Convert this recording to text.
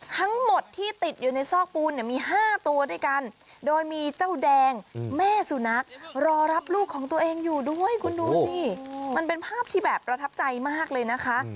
ทั้งหมดที่ติดอยู่ในซอกปูนเนี่ยมี๕ตัวด้วยกันโดยมีเจ้าแดงแม่สุนัขรอรับลูกของตัวเองอยู่ด้วยคุณดูสิมันเป็นภาพที่แบบประทับใจมากเลยนะคะ